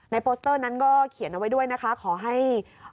โปสเตอร์นั้นก็เขียนเอาไว้ด้วยนะคะขอให้